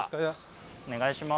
お願いします。